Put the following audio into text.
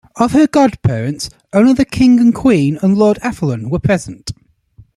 Of her godparents, only the King and Queen and Lord Athlone were present.